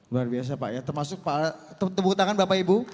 luar biasa pak ya termasuk tepuk tangan bapak ibu